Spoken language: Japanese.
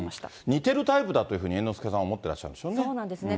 似てるタイプだというふうに、猿之助さんは思ってらっしゃるんそうなんですね。